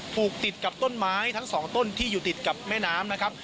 ผูกติดกับต้นไม้ทั้งสองต้นที่อยู่ติดกับแม่น้ำนะครับ